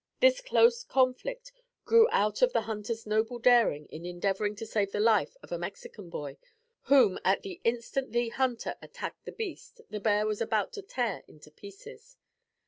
This close conflict grew out of the hunter's noble daring in endeavoring to save the life of a Mexican boy, whom, at the instant the hunter attacked the beast, the bear was about to tear into pieces.